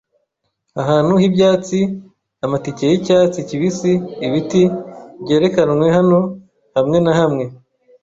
ahantu h'ibyatsi. Amatike yicyatsi kibisi- ibiti byerekanwe hano hamwe na hamwe